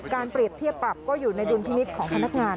เปรียบเทียบปรับก็อยู่ในดุลพินิษฐ์ของพนักงาน